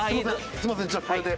すいませんじゃあこれで。